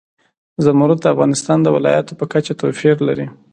زمرد د افغانستان د ولایاتو په کچه توپیر لري.